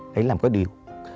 để làm có điều